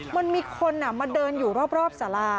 มันมีคนมาเดินอยู่รอบสารา